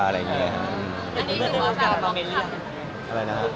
ก็ก่อนอันนี้ไม่เคยโดนว่า